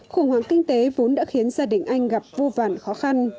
khủng hoảng kinh tế vốn đã khiến gia đình anh gặp vô vàn khó khăn